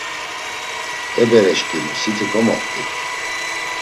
E bereşǩimi siti komoxt̆i.